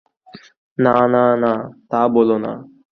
না না, তা বোলো না।